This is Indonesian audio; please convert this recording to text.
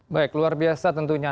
baik luar biasa tentunya